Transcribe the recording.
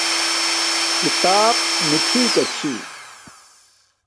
کھیتاپ میٹھی کا چھی